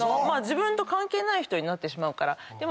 自分と関係ない人になってしまうから。